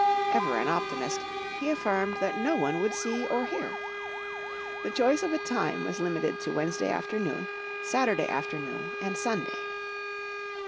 Ever an optimist, he affirmed that no one would see or hear. The choice of a time was limited to Wednesday afternoon, Saturday afternoon, and Sunday.